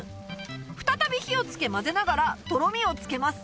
再び火をつけ混ぜながらとろみをつけます